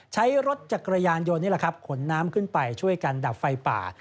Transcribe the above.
ใช้รถจักรยานยนต์นี่แหละครับขนน้ำขึ้นไปช่วยกันดับไฟป่า